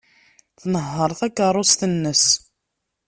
Tnehheṛ takeṛṛust-nnes.